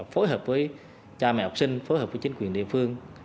phối hợp với cha mẹ học sinh phối hợp với chính quyền địa phương